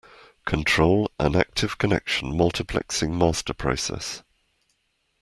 Control an active connection multiplexing master process.